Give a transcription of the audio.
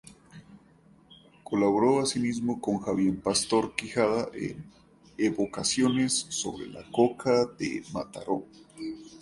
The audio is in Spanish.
Colaboró así mismo con Javier Pastor Quijada en "Evocaciones sobre la Coca de Mataró".